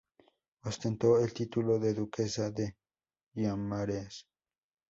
Ostentó el título de duquesa de Guimarães.